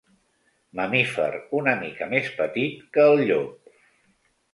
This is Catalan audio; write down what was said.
Mamífer una mica més petit que el llop.